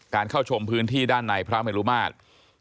เข้าชมพื้นที่ด้านในพระเมลุมาตร